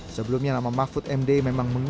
sebelumnya nama mahfud md memang mengungkapkan